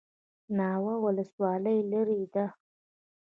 ناوه ولسوالۍ لیرې ده؟